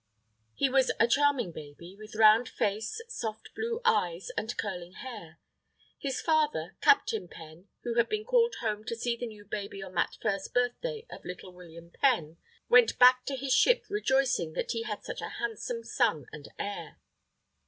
He was a charming baby, with round face, soft blue eyes, and curling hair. His father, Captain Penn, who had been called home to see the new baby on that first birthday of little William Penn, went back to his ship rejoicing that he had such a handsome son and heir.